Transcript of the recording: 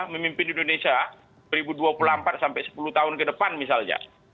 memimpin indonesia dua ribu dua puluh empat sampai sepuluh tahun ke depan misalnya